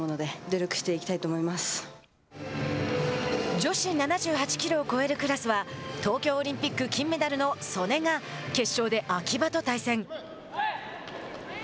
女子７８キロを超えるクラスは東京オリンピック金メダルの素根が決勝で秋葉と対戦。